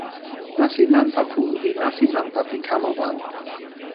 nasin nanpa pu li nasin nanpa pi kama wan.